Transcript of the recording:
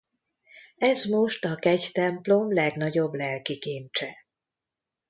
Ez most a kegytemplom legnagyobb lelki kincse.